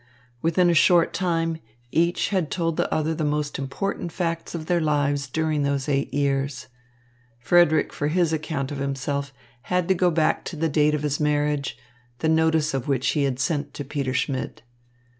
Within a short time, each had told the other the most important facts of their lives during those eight years. Frederick for his account of himself had to go back to the date of his marriage, the notice of which he had sent to Peter Schmidt.